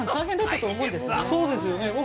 ◆そうですよね。